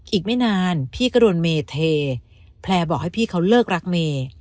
อีกไม่นานพี่ก็โดนเมเทแพลร์บอกให้พี่เขาเลิกรักเมย์